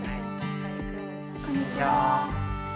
こんにちは。